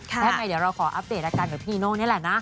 แทบใหม่เดียวเราขออัพเดตอาการกับพี่นิโอเนี่ยแหละนะ